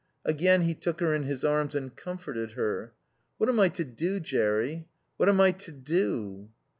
Again he took her in his arms and comforted her. "What am I to do, Jerry? What am I to _do?